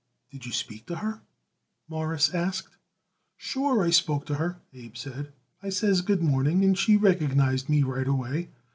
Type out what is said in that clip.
"Did you speak to her?" Morris asked. "Sure I spoke to her," Abe said. "I says good morning, and she recognized me right away.